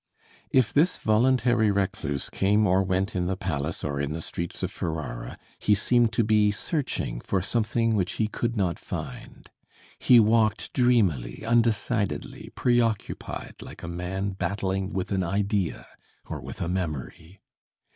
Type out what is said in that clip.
If this voluntary recluse came or went in the palace or in the streets of Ferrara he seemed to be searching for something which he could not find. He walked dreamily, undecidedly, preoccupied like a man battling with an idea or with a memory.